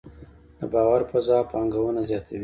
د باور فضا پانګونه زیاتوي؟